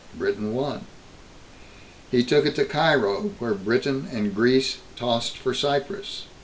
Britain won. He took it to Cairo, where Britain and Greece tossed for Cyprus.